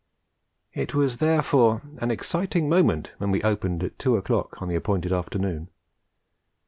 It was therefore an exciting moment when we opened at two o'clock on the appointed afternoon.